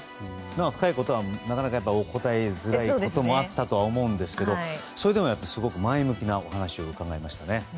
深いことはなかなかお答えづらいこともあったと思いますがそれでも、すごく前向きなお話を伺えましたね。